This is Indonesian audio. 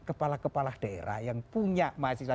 kepala kepala daerah yang punya mahasiswa